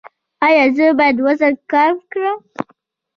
ایا زه باید وزن کم کړم؟